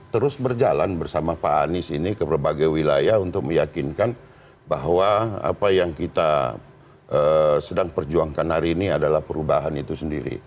terus berjalan bersama pak anies ini ke berbagai wilayah untuk meyakinkan bahwa apa yang kita sedang perjuangkan hari ini adalah perubahan itu sendiri